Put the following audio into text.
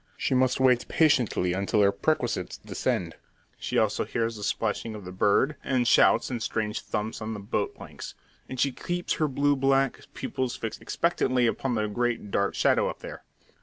She must wait patiently until her perquisites descend. She also hears the splashing of the bird, and shouts and strange thumps on the boat planks; and she keeps her blue black pupils fixed expectantly upon the great dark shadow up there.